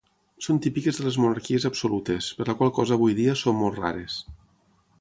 Són típiques de les monarquies absolutes, per la qual cosa avui dia són molt rares.